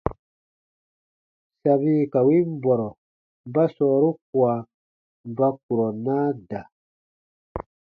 Sabi ka win bɔrɔ ba sɔɔru kua ba kurɔ naa da.